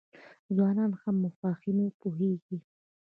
ځوانان هم په مفاهیمو پوهیږي.